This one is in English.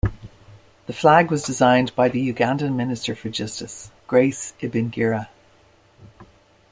The flag was designed by the Ugandan Minister of Justice, Grace Ibingira.